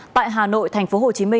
tại hà nội tp hcm